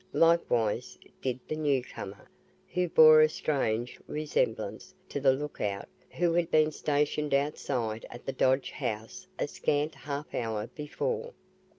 Likewise did the newcomer, who bore a strange resemblance to the look out who had been stationed outside at the Dodge house a scant half hour before.